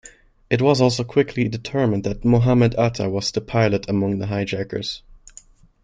It was also quickly determined that Mohamed Atta was the pilot among the hijackers.